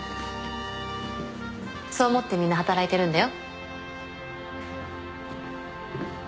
そう思ってみんな働いてるんだよ。